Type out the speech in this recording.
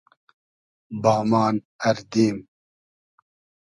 بامان اردیم